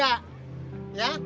ya silahkan jalan